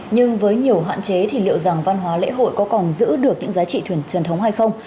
nhưng với nhiều hạn chế thì liệu rằng văn hóa lễ hội có còn giữ được những giá trị thuyền truyền thống hay không